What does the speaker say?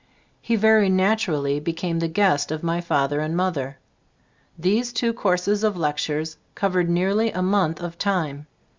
He very naturally became the guest of my father and mother. These two courses of lectures cov ered nearly a month of time.